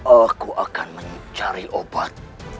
aku akan mencari obat